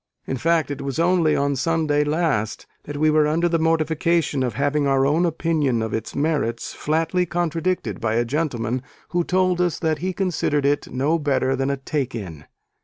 In fact, it was only on Sunday last that we were under the mortification of having our own opinion of its merits flatly contradicted by a gentleman who told us that he considered it 'no better than a take in.'"